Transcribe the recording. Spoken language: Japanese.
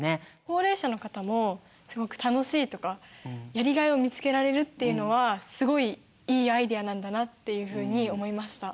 高齢者の方もすごく楽しいとかやりがいを見つけられるっていうのはすごいいいアイデアなんだなっていうふうに思いました。